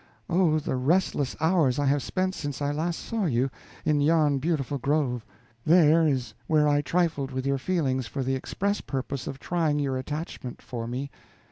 Oh, the restless hours I have spent since I last saw you, in yon beautiful grove. There is where I trifled with your feelings for the express purpose of trying your attachment for me.